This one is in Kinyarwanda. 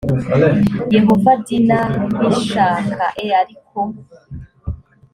yehova d nabishaka e ariko